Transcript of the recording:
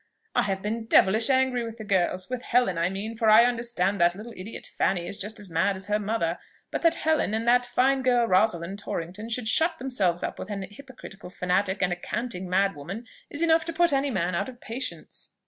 "I have been devilish angry with the girls, with Helen, I mean, for I understand that little idiot, Fanny, is just as mad as her mother; but that Helen, and that fine girl, Rosalind Torrington, should shut themselves up with an hypocritical fanatic and a canting mad woman, is enough to put any man out of patience."